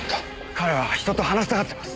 彼は人と話したがってます。